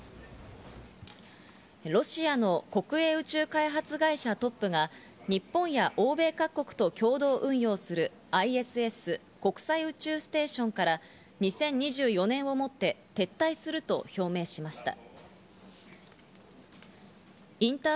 ロシアの国営宇宙開発会社のトップが日本や欧米各国と共同運用するＩＳＳ＝国際宇宙ステーションから２０２４年をもって撤退すると表明しました。